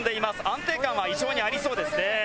安定感は非常にありそうですね。